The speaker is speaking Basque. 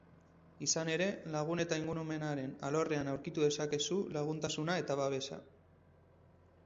Izan ere, lagun eta ingurunearen alorrean aurkitu dezakezu laguntasuna eta babesa.